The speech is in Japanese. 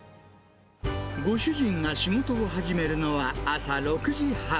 ご主人が仕事を始めるのは朝６時半。